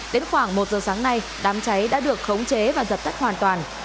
đến khoảng một giờ sáng nay đám cháy đã được khống chế và dập tắt hoàn toàn